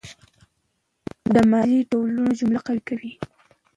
د ماضي ډولونه جمله قوي کوي.